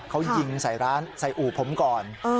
เขายิงใส่อู่ผมก่อน